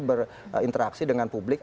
berinteraksi dengan publik